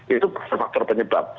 itu faktor faktor penyebab